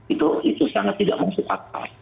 itu sangat tidak masuk akal